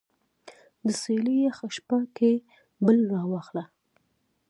د څیلې یخه شپه کې پل راواخله